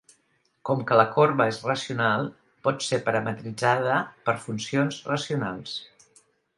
Com que la corba és racional, pot ser parametritzada per funcions racionals.